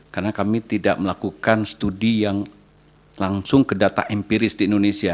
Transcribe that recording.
karena kami tidak melakukan studi yang langsung ke data empiris di indonesia